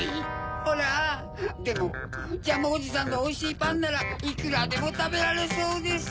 ホラでもジャムおじさんのおいしいパンならいくらでもたべられそうです。